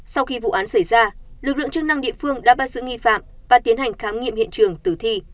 sau khi vụ án xảy ra lực lượng chức năng địa phương đã bắt giữ nghi phạm và tiến hành khám nghiệm hiện trường tử thi